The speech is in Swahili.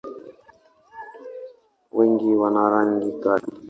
Wengi wana rangi kali.